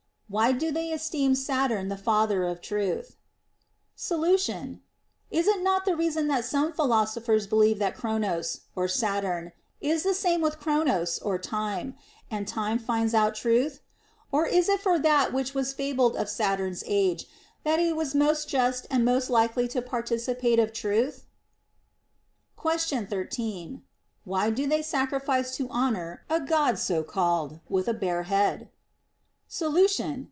Why do they esteem Saturn the father of truth % Solution. Is it not the reason that some philosophers believe that Κρόνος (Saturn) is the same with Χρόνος (time), and time finds out truth ] Or is it for that which was fabled of Saturn's age, that it was most just and most likely to participate of truth 1 Question 13. Why do they sacrifice to Honor (a God so called) with a bare head ] Solution.